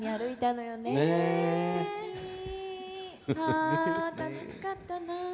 あ楽しかったな。